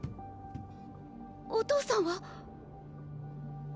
お父さんは？